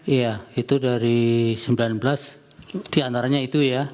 iya itu dari sembilan belas diantaranya itu ya